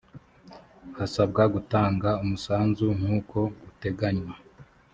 hasabwa gutanga umusanzu nk uko uteganywa